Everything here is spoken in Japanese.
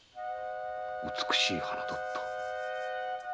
美しい花だった。